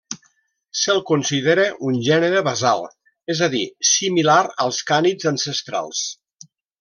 Se'l considera un gènere basal, és a dir, similar als cànids ancestrals.